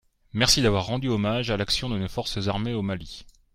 Merci d’avoir rendu hommage à l’action de nos forces armées au Mali.